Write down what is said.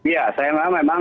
ya saya memang